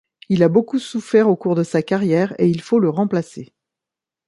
Il a beaucoup souffert au cours de sa carrière et il faut le remplacer.